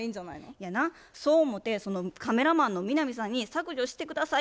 いやなそう思てカメラマンの南さんに「削除して下さい」